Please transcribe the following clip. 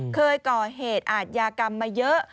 เคยก่อเหตุอาทยากรรมมาเยอะ